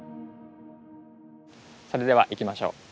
それでは行きましょう。